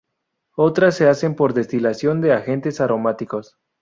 Otras se hacen por destilación de agentes aromáticos.